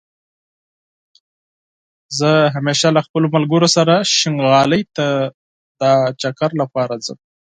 زه همېشه له خپلو ملګرو سره شينغالى ته دا چکر لپاره ځم